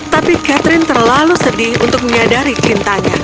tapi catherine terlalu sedih untuk menyadari cintanya